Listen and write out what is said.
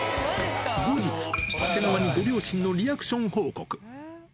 後日、長谷川にご両親のリアクション報告。